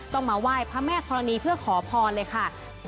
ต้องมาไหว้พระแม่ธรณีเพื่อขอพรเลยค่ะ